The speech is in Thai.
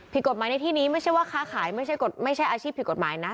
ผิดกฎหมายในที่นี้ไม่ใช่ว่าค้าขายไม่ใช่อาชีพผิดกฎหมายนะ